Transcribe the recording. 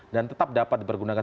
dan tetap dapat dipergunakan